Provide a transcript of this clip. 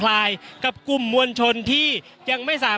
อย่างที่บอกไปว่าเรายังยึดในเรื่องของข้อ